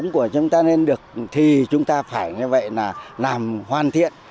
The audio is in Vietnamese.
chúng ta nên được thì chúng ta phải như vậy là làm hoàn thiện